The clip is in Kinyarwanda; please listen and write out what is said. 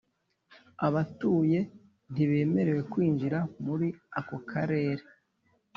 abatuye ntibemerewe kwinjira muri ako karere.